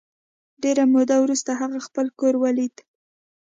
ډېره موده وروسته هغه خپل کور ولید